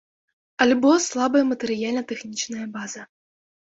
Альбо слабая матэрыяльна-тэхнічная база.